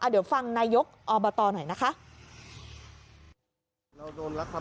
เดี๋ยวฟังนายกอบตหน่อยนะคะ